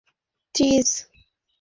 এবং সে mac and cheese order করেছিলো।